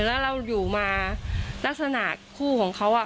แล้วเราอยู่มาลักษณะคู่ของเขา